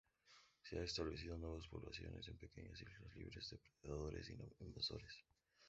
Se han establecido nuevas poblaciones en pequeñas islas libres de depredadores invasores.